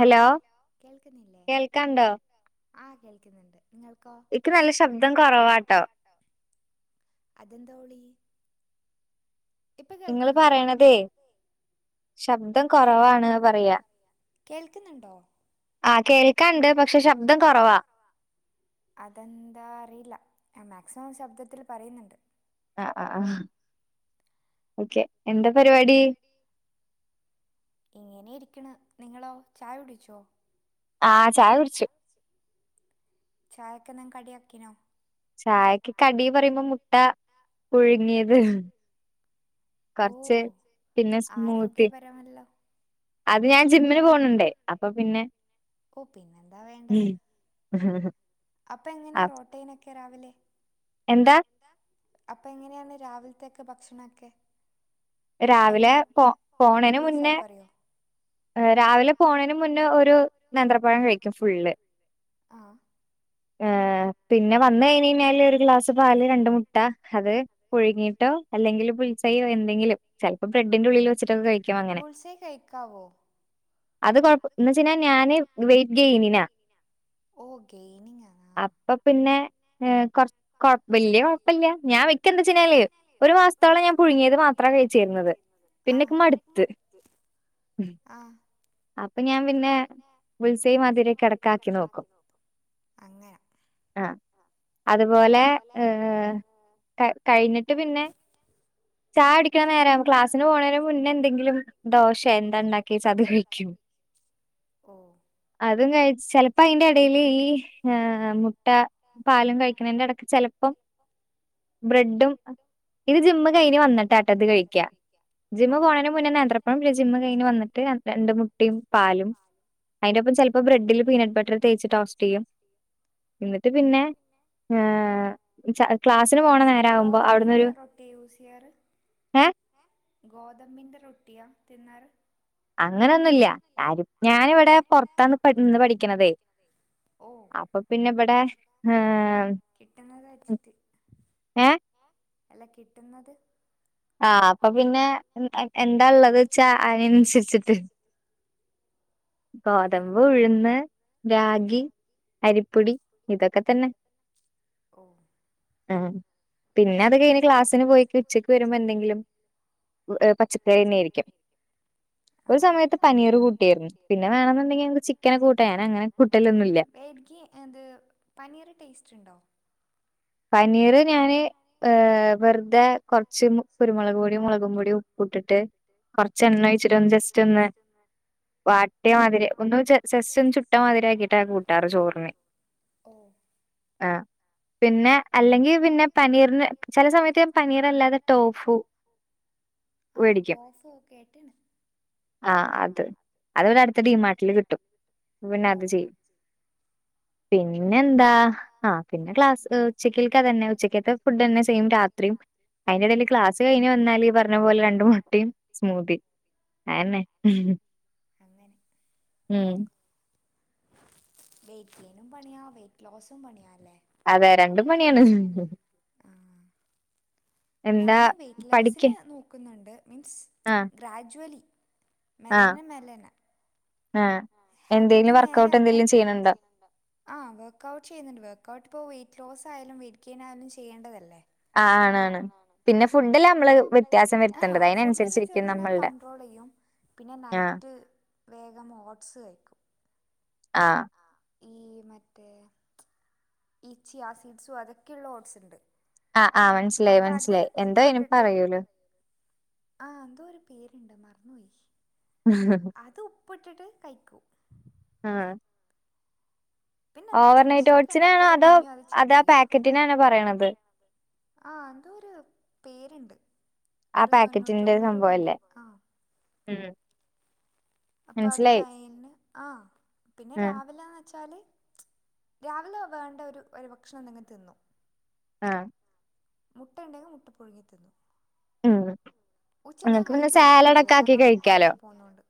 Hello കേൾക്കുന്നുണ്ടോ? ആഹ കേൾക്കുന്നുണ്ട്. എനിക്ക് നല്ല ശബ്ദം കൊറവാട്ടോ അതെന്താവളി [unintelligible] നിങ്ങൾ പറയുന്നതേ ശബ്ദം കുറവാണ് പറയാ ആഹ കേൾക്കുന്നുണ്ട്. പക്ഷെ ശബ്ദം കുറവാ അതെന്താ അറിയില്ല മാക്സിമം ശബ്ദത്തിൽ പറയുന്നുണ്ട് ആ ആ ആ ഓക്കെ എന്താ പരിപാടി? ഇങ്ങനെ ഇരിക്കുന്നു. നിങ്ങളോ ചായ കുടിച്ചോ? ആഹ ചായ കുടിച്ചു ചായൊക്കെ എന്നാ കടിയാക്കിനോ? ചായക്ക് കടി പറയുമ്പോ മുട്ട പുഴുങ്ങിയത് കർച്ച് ആരോഗ്യപരമല്ല അത് ഞാൻ ജിമ്മിന് പോണുണ്ടേ അപ്പൊ പിന്നെ ഉം ഹ് ഹ്‌ അപ്പൊ എങ്ങനെ റൊട്ടൈനൊക്കെ രാവിലെ എന്താ? അപ്പൊ എങ്ങനെയാണ് രാവിലത്തൊക്കെ ഭക്ഷണൊക്കെ? രാവിലെ പോ പോണേന് മുന്നേ രാവിലെ പോണേന് മുന്നേ ഒരു നേന്ത്രപ്പഴം കഴിക്കും ഫുള്ള് ആ ഏ പിന്നെ വന്ന് കഴിഞ്ഞഴിഞ്ഞാല് ഒരു ഗ്ലാസ് പാല് രണ്ട് മുട്ട അത് പുഴുങ്ങീട്ടോ അല്ലെങ്കില് ബ് ൽസയോ എന്തെങ്കിലും ചെലപ്പോ ബ്രഡിന്റെ ഉള്ളിൽ വച്ചിട്ടൊക്ക കഴിക് ബുൾസേ കഴിക്കാവോ അത് കൊഴപ്പ ന്ന് വച്ച് കയിന്നാ ഞാന് വെയ് ഓ ഗയിനിങ്ങാ അപ്പൊ പിന്നെ കൊറച് കൊഴ വല്യ കൊഴപ്പെല്ല്യ ഞാ വെക്ക എന്തച്ചഞ്ഞാല് ഒരു മാസ്‌ത്തോളം ഞാൻ പുഴുങ്ങിയത് മാത്രാ കഴിച്ചിരുന്നത് ആ പിന്നെപ്പം മടുത്ത് ആ അപ്പ ഞാമ്പിന്നെ ബുൾസയ് മാതിരി ക്കെടക്കാക്കി നോക്കും അങ്ങന അ അതുപോലെ ക കഴിഞ്ഞിട്ട് പിന്നെ ചായൊടിക്കണ നേരം ക്ലാസ്സിന് പോണേന് മുന്നേ എന്തെങ്കിലും ദോശെ എന്താ ഇണ്ടാക്കീച്ചാ അത് കഴി ക്കും ഓ അതും കഴ്ച്ചെലപ്പൊ അയ്ന്റെ എടേല് ഈ മുട്ട പാലും കഴിക്കണേന്റടക്ക് ചെല പ്പൊ ബ്രഡും ഇത് ജിമ്മ് കഴിഞ്ഞ് വന്നിട്ടാട്ടൊത്‌ കഴിക്ക ജിമ്മ് പോണേന് മുന്നേ നേന്ത്രപ്പഴം ജിമ്മ് കഴിഞ്ഞ് വന്നിട്ട് ര രണ്ട് മുട്ടേയും പാലും അയിന്റൊപ്പം ചെൽപ്പൊ ബ്രെഡില് പീനട്ട് ബട്ടർ തേച്ച് ടോസ്റ്റ് ചെയ്യും എന്നിട്ട് പിന്നെ ഏ ച ക്ലാസിന് പോണ നേരാവുമ്പോ അവിടന്നൊരു ഏ ഗോതമ്പിന്റെ റൊട്ടിയാ തിന്നാറ് അങ്ങനൊന്നുല്ല ആര് ഞാനിവിടെ പൊറത്താന്ന് പട് ന്ന് പഠിക്കണതേ അപ്പൊ പിന്നെ ഇവിടെ ങ് കിട്ടത ച്ചിട്ട് അല്ല കിട്ടുന്നത് ആ അപ്പ പിന്നെ എ എൻ എന്താള്ളത് വെച്ചാ അയ്നനുസരിച്ചിട്ട് ഗോതമ്പ് ഉഴ്ന്ന് രാ അരിപ്പൊടി ഇതൊക്കെ തന്നെ ഓ ആ ആ പിന്നെ അത് കഴിഞ്ഞ് ക്ലാസ്സിന് പോയിട്ടുച്ചക്ക് വരുമ്പോ എന്തെങ്കിലും വ് എ പച്ചക്ക ന്നേരിക്കും ഒരു സമയത്ത് പനീറ് കൂട്ടിയിരുന്നു പിന്നെ വേണന്നുണ്ടെങ്കി ക്ക് ചിക്കനൊക്കുട്ടേന് അങ്ങനെ കൂട്ടലൊന്നുല്ല എട്ഗി അത് പനീറ് ടേസ്റ്റ് ഉണ്ടോ പനീറ് ഞാന് ഏ വെറുതെ കൊറച്ച് കുരുമുളക് പൊടിയും മുളകു പൊടിയും ഉപ്പു ഇട്ടിട്ട് കൊറച്ച് എണ്ണ ഒയിച്ചിട്ട് ഒ ജസ്റ്റ് ഒന്ന് വാട്ടിയമാതിരി ഒന്നു ജെ സെസ്റ്റൊന്നു ചുട്ടമാതിരി ആക്കീട്ടാ കൂട്ടാറ് ചോറിന് ഓ ആ പിന്നെ അല്ലങ്കി പിന്നെ പനീറിന് ചെല സമയത്ത് ഇ പനീറല്ലാതെ ടോഫു ആ ടോഫൂ കേട്ടിട്ട്ണ്ട് ആ അത് അതിവ്ടെ അടുത്ത ടീ മാർട്ടില് കിട്ടും പിന്നെ അത് ചെയ്യും പിന്നെന്താ ആ പിന്നെ ക്ലാസ് ഉച്ചയ്ക്കൽത്തെതന്നെ ഉച്ചക്കത്തെ ഫുഡന്നെ സെയിം രാത്രിയും അയിന്റെടേല് ക്ലാസ് കഴിഞ്ഞ് വന്നാലീ പറഞ്ഞ പോല രണ്ടു മൊട്ടേം സ്മൂത്തീം അന്നെ ഉം വെയിറ്റ് ഗെയിനും പണിയാ വെയിറ്റ് ലോസും പണിയാ അതെ രണ്ടും പണിയാണ് ഞാന് വെയറ്റ് ലോസിന് നോക്കുന്നുണ്ട് മീൻസ് ച് ഗ്രാജ്വലി മെലനെ മെലനെ ഹാബിറ്റ് നേരെ ആക്കും [inaudible] ആ വർക്ഔട്ട് ചെയ്യുന്നുണ്ട് വർക്ഔട്ട് പോ ക്ലോസ് ആയാലും വേടികിനാനും ചെയ്യേണ്ടതല്ലേ ആ ആണണ് പിന്നെ ഫുഡില് നമ്മള് വ്യത്യാസം വരുത്തണ്ടത് അതിന അനുസരിച്ചിരിക്കും നമ്മളുടെ പിന്നെ നൈറ്റ്‌ വേഗം ഓഡ്സ് കയിക്കും ആ ഈ മറ്റേ ച് ഈ ചിയാസീഡ്സും അതൊക്കെയള്ള ഓട്സ് ഇണ്ട് ആ ആ മനസ്സിലായി മനസ്സിലായി എന്താ ഇനി പറയൂലോ. ആ എന്തോ ഒരു പേര്ണ്ട് മാറ അത് ഉപ്പിട്ടിട്ട് കഴിക്കൂ. ആ. ഓവർനൈറ്റ് ഓട്സിനാണോ അതോ അതാ ആ പാക്കറ്റിനണോ പറയണത്? ആ എന്തൊരു പേരുണ്ട്. ഒരു തൊണ്ണൂറ്റൊമ്പത് രൂപ ഉണ്ട് ആ. ഉം അപ്പൊ അത് കഴിന്ന് ആ പിന്നെ രാവിലെന്ന് വെച്ചാല് ച് രാവിലെ വേണ്ട ഒരു ഒരു ഭക്ഷണം എന്തെങ്ങെ തിന്നു ഏ. മുട്ടണ്ടെങ്കി മുട്ട പുഴുങ്ങി തിന്നു. ഉം. ഉച്ചക്ക് ഞാൻ കഴിക്കാറില്ല പൊതുവേ കാരണം കോളേജിൽ പോകുന്നൊണ്ട്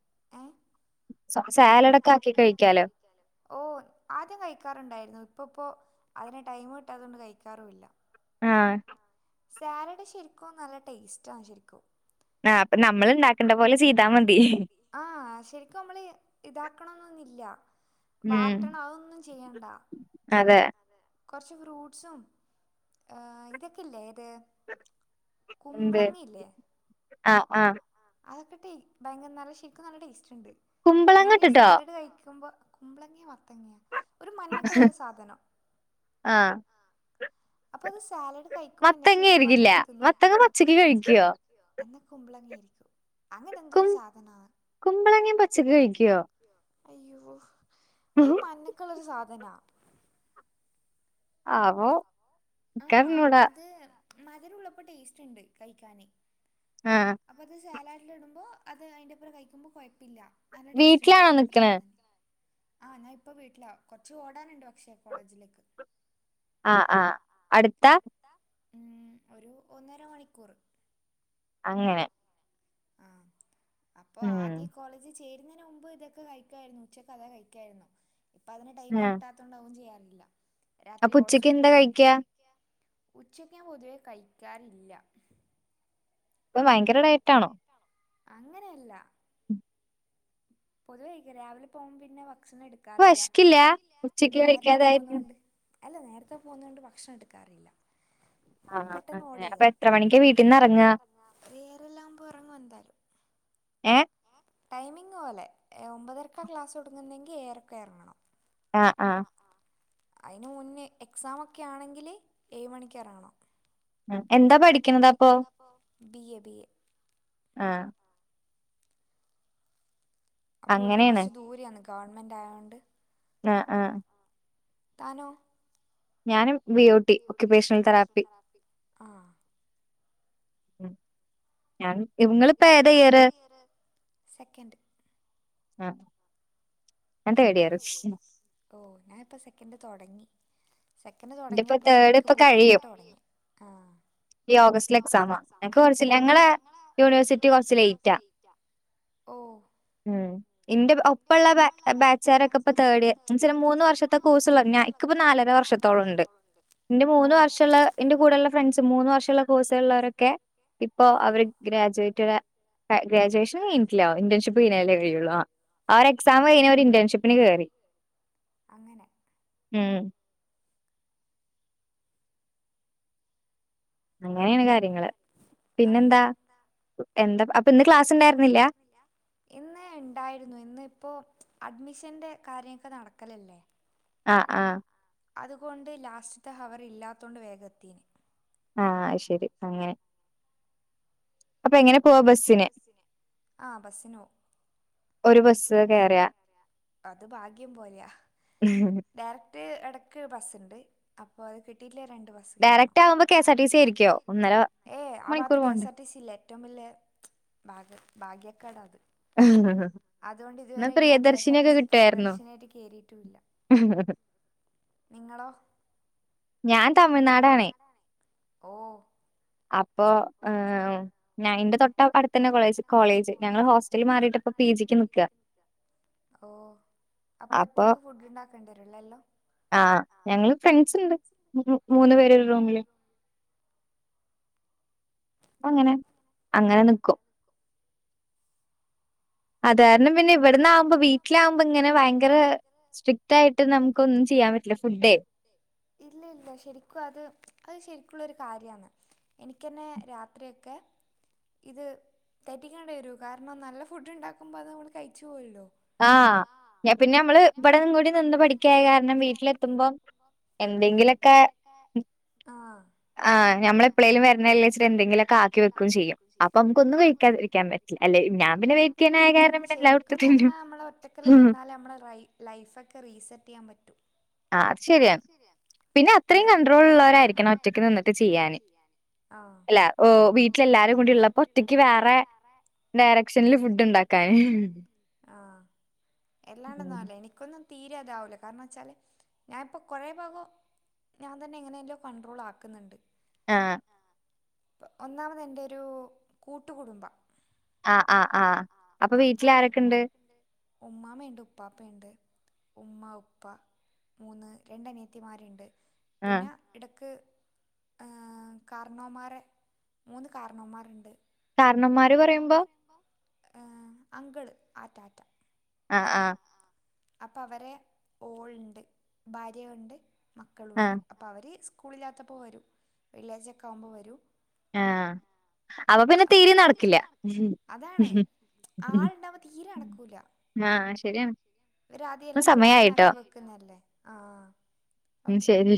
[inaudible] ഓ ആദ്യം കഴിക്കാറുണ്ടായിരുന്നു ഇപ്പപ്പോ അതിനെ ടൈം ഇട്ടത്തൊണ്ടു കഴിക്കാറുമില്ല ആ. സാലഡ് ശരിക്കും നല്ല ടേസ്റ്റ് അ ശരിക്കും. [inaudible] ആ ശരിക്കും നമ്മള് ഇതാക്കണം ഇല്യ വാട്ടണം അതൊന്നും ചെയ്യണ്ട. കുറച്ച് ഫ്രൂട്ട്സും ഏ ഇതൊക്കെല്ലേ ഏത്. കുംബ്ളങ്ങില്ലെ. ആ അ അതൊക്കെ ടേ ഭയങ്കര നല്ല ശെരിക്കു നല്ല ടേസ്റ്റ് ഇണ്ട് ഞാൻ ഈ സാലഡ് കഴിക്കുമ്പോ കുമ്പളങ്ങ മത്തങ്ങിയ ഒരു മഞ്ഞക്കളറ് സാധനം. അപ്പൊ അത് സാലഡ് കഴിക്കുമ്പോന്നാ ശരിക്കന്ന് തിന്ന് നോക്കിയത്. എന്ന കുമ്പളങ്ങ ഏയിരിക്കു കു കുമ്പളങ്ങും പച്ചയിക്ക് കഴിക്കോ? അയ്യോ ഒരു മഞ്ഞക്കുള്ളറ് സാധനാ. ആവോ ആ അത് മധുരംള്ളപ്പോ ടേസ്റ്റ് ഇണ്ട് കഴിക്കാന് അപ്പൊ അത് സാലാഡില് ഇടുമ്പോ അത് അതിന്റെപ്പരം കഴിക്കുമ്പോ കുഴപ്പില്യ. നല്ല ടേസ്റ്റ് ഉണ്ട് ഒപ്പരം തിന്നാൻ. ആ ഞാൻ ഇപ്പൊ വീട്ടിലാ കൊറച്ചു ഓടാനുണ്ട് പക്ഷേ കോളേജിലേക്ക് ആ ആ അടുത്ത ഉം ഒരു ഒന്നര മണിക്കൂർ അങ്ങനെ അപ്പൊ ആദ്യ കോളേജ് ചേരുന്നതിന് മുമ്പ് ഇതൊക്കെ കഴിക്കായിരുന്നു ഉച്ചക്ക കഥ കഴിക്കായിരുന്നു ഇപ്പൊ അതിന് ടൈം ഇട്ടാത്തത്ണ്ടാവും ചെയ്യാറില്ല അപ്പ ഉച്ചക്ക് എന്താ കഴിക്കാ ഉച്ചയ്ക്ക് പൊതുവേ കഴിക്കാറില്ല ഇപ്പൊ ഭയങ്കര ഡയറ്റാണോ അങ്ങനെയല്ല പൊതുവേ രാവിലെ പോകുമ്പ പിന്നെ ഭക്ഷണം എടുക്കാറില്ല നേരത്തെ പോവുന്നോണ്ട് അല്ല നേരത്തെ പോകുന്നൊണ്ട് ഭക്ഷണം എടുക്കാറില്ല പെട്ടെന്ന് ഓട ചെയ്യ ഏഴരല്ലാവുമ്പോ റങ്ങും എന്തായാലും ടൈമിങ് പോലെ ഒമ്പതരക്കാ ക്ലാസ് കൊടുങ്ങുന്നെങ്കി ഏഴരക്ക് ഇറങ്ങണം. ആഹ് ആഹ് അതിന് മുന്നേ എക്സാമൊക്കെ ആണെങ്കില് ഏഴ്മണിക്കിറങ്ങണം എന്താ പഠിക്കണുത് അപ്പൊ ആഹ് അപ്പൊ ഇവിടുന്ന് കൊറച്ച ദൂരന്ന് ഗവണ്മെന്റ് ആയോണ്ട് താനോ ഞാന് പി ഒ ട്ടി ഫിസിയെതെറാപ്പി. ഉം ഞൻ ഇങ്ങളിപ്പ ഏതാ ഇയ്യറ്? ആഹ് ഞ തേടിയർ ഓ ഞാൻ ഇപ്പ സെക്കൻഡ് തുടങ്ങി സെക്കൻഡ് തുടങ്ങിയപ്പോ ശെരിക്കും ബുദ്ധിമുട്ട് തുടങ്ങി ആ ഈ ഓഗസ്റ്റില് എക്സാമ ഞങ്ങക്ക് കുറച്ച് ഞങ്ങള യൂണിവേഴ്സിറ്റി കൊറച്ച് ലേറ്റാ ഉ ഇന്റെ ഒപ്പള്ള ബേ ചാരൊക്കെ ഇപ്പൊ തേഡ് ഇയർ മൂന്ന് വർഷത്തെ കോഴ്സ്ള്ള ഞാ ൻക്കിപ്പോ നാലര വർഷം [inaudible] വർഷ തോളണ്ട്. എന്റെ മൂന്ന് വർഷമുള്ള എന്റെ കൂടെള്ള ഫ്രണ്ട്സ് മൂന്ന്വർഷമുള്ള കോഴ്സ് ഉള്ളവരൊക്കെ ഇപ്പൊ അവര് ഗ്രാജുവേറ്റ ഗ്രാജുവേഷൻ കഴിഞ്ഞട്ടില്ല ഇന്റേൺഷിപ്പ് കഴിഞ്ഞാലേ കഴിയുള്ളു. അ ആ ഒരു എക്സാം കഴിഞ്ഞ ഒരു ഇന്റേൺഷിപ്പ് പിന്നെ കേറി ഉം അങ്ങനെയാണ് കാര്യങ്ങള് പിന്നെന്താ എന്താപ്പ അപ് പ്പന്ന് ക്ലാസ്ണ്ടായിരുന്നില്ല ഇന്ന് ഇണ്ടായിരുന്നു ഇന്ന് ഇപ്പോ ചച് അഡ്മിഷന്റെ കാര്യഒക്കെ നടക്കലിണ്ടേ ആ ആഹ് അതുകൊണ്ട് ലാസ്റ്റ്ത്തെ ഹവർ ഇല്ലാത്തൊണ്ട് വേഗത്തീന് ആ അയ്ശരി അങ്ങനെ അപ്പ എങ്ങനെ പോവാ ബസിന് ആ ബസ്സന് പോ അത് ഭാഗ്യം പോലെയ ഡയരക്റ്റ റ്റ് ഇടയ്ക്ക് ബസ്സിണ്ട് അപ്പോ അത് കിട്ടിട്ടി ഡയറക്റ്റ് ആകുമ്പോ K S R T C ആയിരിക്കോ ഒന്നര മണിക്കൂർ പോണ്ടേ ഏറ്റവും വലിയ ച്ച്ച് ഭാഗ ഭാഗ്യക്കാട അത് അതുകൊണ്ട് ഇതുവരെ ഇനി ആ K S R T C പ്രിയദർശനിആയിട്ട് കേറിട്ടൂല്ല. ഹ്ഹ നിങ്ങളോ ഞാൻ തമിഴ്നാടാണേ അപ്പൊ മ് ന്റെ തൊട്ട അടുത്തന്നെ കോളേജ് കോളേജ് ഞങ്ങൾ ഹോസ്റ്റല് മാറിട്ടപ്പ പി ജിക്ക് നിക്ക അപ്പൊ ഒറ്റക്ക് ഫുഡ് ഉണ്ടാക്കേണ്ടി വരു ലെ എല്ലോം ആഹ് ഞങ്ങള് ഫ്രണ്ട്സ് ഉണ്ട് മൂന്ന് പേരൊരു റൂമില് അപ്പ അങ്ങനെ.. അങ്ങനെ നിക്കും അത്കാരണം പിന്നെ.. ഇവിടന്നാവുമ്പോ.. വീട്ടിലാകുമ്പോ ഇങ്ങനെ ഭയങ്കര സ്ട്രിക്റ്റ് ആയിട്ട് നമുക്ക ഒന്നും ചെയ്യാൻ പറ്റില്ല.. ഫുഡേ... ഇല്ല ഇല്ല.. ശരിക്കും അത് അത് ശരി, രിക്കുള്ളൊരു കാര്യാണ്... എനിക്കന്നെ രാത്രിയൊക്കെ ഇത് തെറ്റിക്കേണ്ടി വരും... കാരണം നല്ല ഫുഡ് ഉണ്ടാക്കുമ്പോൾ അത് നമ്മൾ കഴിച്ചു പോവുല്ലോ... ആ... ഞ പിന്നെ നമ്മള് ഇവിടെയും കൂടി നിന്ന് പഠിക്കായി കാരണം വീട്ടിലെത്തുമ്പോം എന്തെങ്കിലൊക് ക്കേ ആ.. ആഹ്.. നമ്മള് എപ്പളേലും വരണതല്ലേ വെച്ചിട്ട് എന്തെങ്കിലുമൊക്കെ ആക്കി വെക്കുകയും ചെയ്യും അപ്പോ നമുക്കൊന്നും കഴിക്കാതിരിക്കാൻ പറ്റില്ല... ഞാൻ പിന്നെ വെജിറ്റേറിയനായ കാരണം എല്ലാം എടുത്തു തിന്നും ഒറ്റയ്ക്കല്ലാം നിന്നാലേ നമ്മടെ റൈ ലൈഫൊക്കെ റീസെറ്റ് ചെയ്യാൻ പറ്റു... ആ അത് ശെരിയ... പിന്നെ അത്രയും കണ്ട്രോളുള്ളവരായിരിക്കണം ഒറ്റക്ക് നിന്നിട്ട് ചെയ്യാന്... അല്ല... ഓ വീട്ടിലെല്ലാ ലെല്ലാവരും കൂടെയുള്ളപ്പോ ഒറ്റക്ക് വേറെ.. ഡയറക്ഷനില് ഫുഡ് ഉണ്ടാക്കാന്.. എല്ലാണ്ടൊന്നും ആവൂല എനിക്കൊന്നും തീരെ അതാവൂല.. കാരണന്ന്വച്ചാല് ഞാനിപ്പോ കൊറേ ഭാഗം ഞാൻ തന്നെ എങ്ങനെയെല്ലോ കണ്ട്രോൾ ആക്കുന്നുണ്ട്... ആ.. ഒന്നാമത് എന്റെ ഒരു കൂട്ടുകുടുംബ... ആ ആ ആഹ്.. അപ്പോ വീട്ടിൽ ആരൊക്കെ ഉണ്ട്.. ഉമ്മ ഉപ്പ മൂന്ന് രണ്ട് അനിയത്തിമാരുണ്ട്... പിന്നെ ഇടക്ക് ആ.. കർണോമാരെ മൂന്ന് കാർ ണോന്മാരുണ്ട് കാർണോന്മാര് പറയുമ്പോ ആ അങ്കിള് ആറ്റ ആറ്റ ആ ആ അപ്പോ അവരെ ഓളിണ്ട്.. ഭാര്യയുണ്ട് മക്കളുണ്ട് അപ്പോ അവര് സ് സ്കൂളില്ലാത്തപ്പോ വരും.. വെള്ളിയാഴ്ച്ചയൊക്കെ ആവുമ്പോ വരും ആ.. അപ്പോ പിന്നെ തീരെ നടക്കില്ല ആ ശരിയാണ്.. ഇവര് ആദ്യല്ലാം പ്ലാൻ ആക്കി വെക്കുന്നല്ലേ... ആ ഉം ശരി